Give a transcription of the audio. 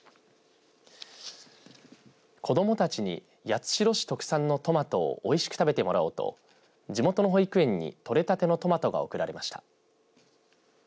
子どもたちに八代市特産のトマトをおいしく食べてもらおうと地元の保育園に取れたてのトマトが贈られました。